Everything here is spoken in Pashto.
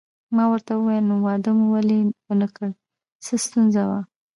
ما ورته وویل: نو واده مو ولې ونه کړ، څه ستونزه وه؟